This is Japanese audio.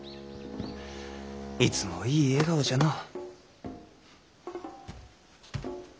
いつもいい笑顔じゃのう。